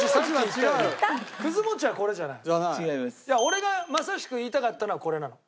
じゃあ俺がまさしく言いたかったのはこれなの。